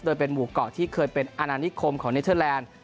โดยเป็นหมู่เกาะที่เคยเป็นอาณานิคมของเนเทอร์แลนด์